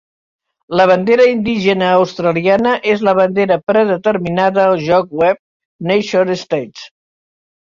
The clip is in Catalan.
La bandera indígena australiana és la bandera predeterminada al joc web "NationStates".